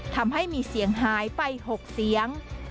ทำให้มีเสียงหายไป๖เสียง